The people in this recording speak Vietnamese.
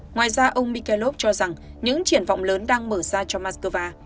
ngoài ra ông mikelov cho rằng những triển vọng lớn đang mở ra cho moscow